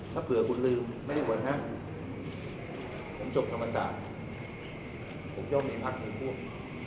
ถ้าเผลอคุณลืมไม่ได้กวนนะผมจบธรรมศาสตร์ผมย่อมีภักดิ์ภูมิ